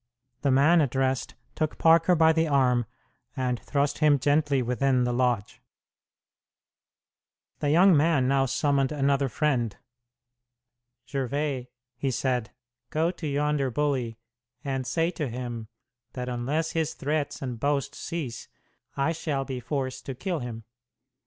The man addressed took Parker by the arm and thrust him gently within the lodge. The young man now summoned another friend. "Gervais," he said, "go to yonder bully, and say to him that unless his threats and boasts cease, I shall be forced to kill him.